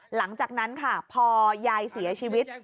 หลังจากนั้นค่ะพอยายเสียชีวิต